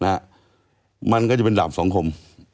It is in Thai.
มันก็จะเป็นดาบสังคม